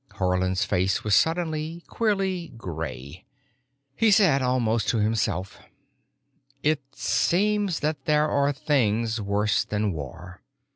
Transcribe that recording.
Haarland's face was suddenly, queerly gray. He said, almost to himself, "It seems that there are things worse than war."